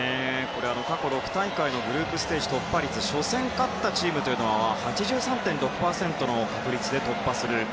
過去６大会のグループステージ突破率初戦勝ったチームというのが８３．６％の確率で突破する。